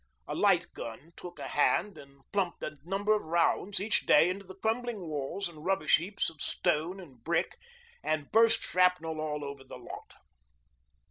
A light gun took a hand and plumped a number of rounds each day into the crumbling walls and rubbish heaps of stone and brick, and burst shrapnel all over the lot.